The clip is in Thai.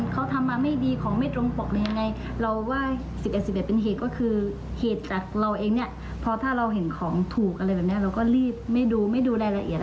เพราะถ้าเราเห็นของถูกอะไรแบบนี้เราก็รีบไม่ดู